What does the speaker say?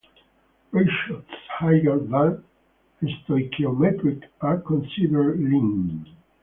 Ratios higher than stoichiometric are considered lean.